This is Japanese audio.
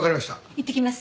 いってきます。